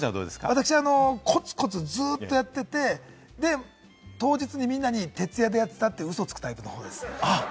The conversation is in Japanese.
私コツコツずっとやってて、当日にみんなに徹夜でやってたって、うそをつくタイプの方です。